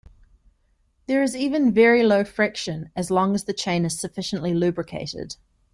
There is even very low friction, as long as the chain is sufficiently lubricated.